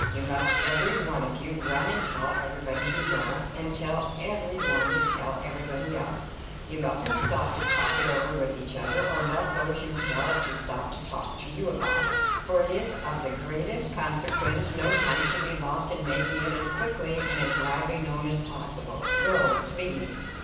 "You must, every one of you, run and tell everybody you know, and tell every one to tell everybody else. You mustn't stop to talk it over with each other, or let those you tell it to stop to talk to you about it; for it is of the greatest consequence no time should be lost in making it as quickly and as widely known as possible. Go, please."